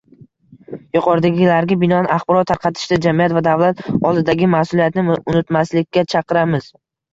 Yuqoridagilarga binoan, axborot tarqatishda jamiyat va davlat oldidagi mas'uliyatni unutmaslikka chaqiramiz.